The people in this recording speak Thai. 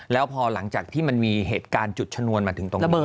แล้วพอหลังจากที่มันมีเหตุการณ์จุดชนวนมาถึงตรงนี้